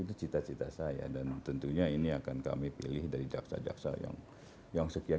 itu cita cita saya dan tentunya ini akan kami pilih dari jaksa jaksa yang sekian